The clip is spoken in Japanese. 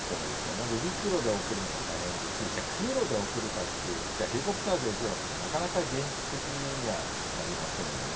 まず陸路で送るのも大変ですし空路で送るかってヘリコプターで送るなんてのはなかなか現実的にはなりませんよね。